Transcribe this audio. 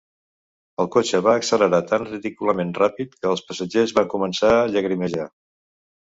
El cotxe va accelerar tan ridículament ràpid que els passatgers van començar a llagrimejar.